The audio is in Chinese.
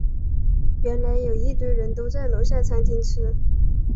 原来有一堆人都在楼下餐厅吃